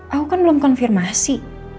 aku kan belum konfirmasi